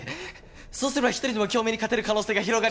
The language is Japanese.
そうすれば一人でも京明に勝てる可能性が広がります。